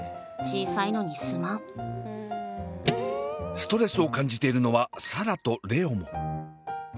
ストレスを感じているのは紗蘭と蓮音も。